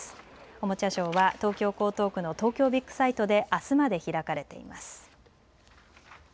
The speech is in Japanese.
おもちゃショーは東京江東区の東京ビッグサイトであすまで開かれています。